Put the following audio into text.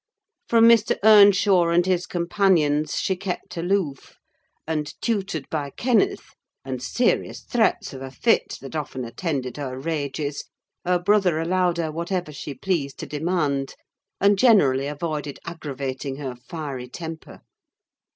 From Mr. Earnshaw and his companions she kept aloof; and tutored by Kenneth, and serious threats of a fit that often attended her rages, her brother allowed her whatever she pleased to demand, and generally avoided aggravating her fiery temper.